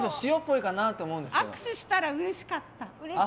握手したらうれしかった。